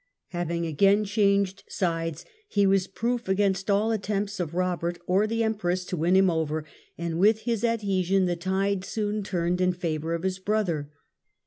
Having again changed sides, he was proof against all attempts of Robert or the empress to win him over ; and, with his adhesion, the tide soon turned in favour of his brother.